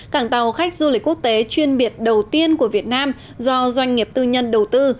cảng tàu khách du lịch quốc tế chuyên biệt đầu tiên của việt nam do doanh nghiệp tư nhân đầu tư